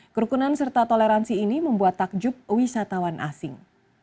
kerukunan serta toleransi ini membuat takjub wisatawan asing